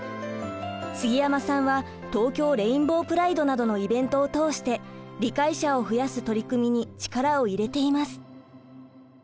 杉山さんは東京レインボープライドなどのイベントを通して理解者を増やす取り組みに力を入れています。